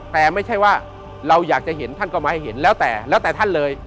แต่ไม่ใช่ว่าเราอยากจะเห็นท่านก็มาให้เห็นแล้วแต่แล้วแต่ท่านเลย